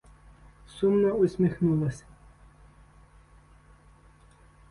Сумно усміхнулася.